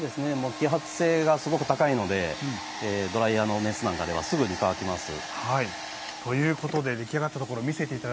揮発性がすごく高いのでドライヤーの熱なんかではすぐに乾きます。ということで出来上がったところ見せていただいてよろしいですか。